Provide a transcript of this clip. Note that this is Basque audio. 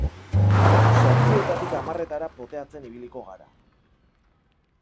Zortzietatik hamarretara poteatzen ibiliko gara.